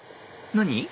何？